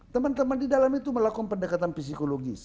teman teman di dalam itu melakukan pendekatan psikologis